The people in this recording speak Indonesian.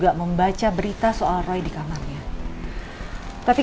karena teror itu elsa sampai stress dan histeris